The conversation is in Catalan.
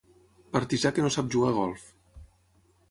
Partisà que no sap jugar a golf.